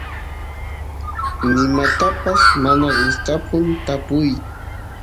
nimatapas mana gustapun tapuy